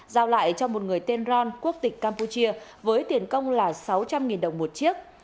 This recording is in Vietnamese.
giao lại cho một người tên ron quốc tịch campuchia với tiền công là sáu trăm linh đồng một chiếc